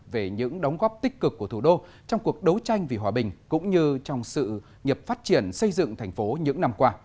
về những đóng góp tích cực của thủ đô trong cuộc đấu tranh vì hòa bình cũng như trong sự nghiệp phát triển xây dựng thành phố những năm qua